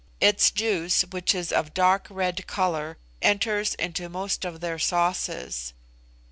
Its juice, which is of dark red colour, enters into most of their sauces.